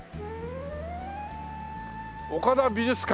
「岡田美術館」